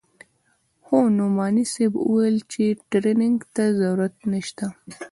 خو نعماني صاحب وويل چې ټرېننگ ته ضرورت نسته.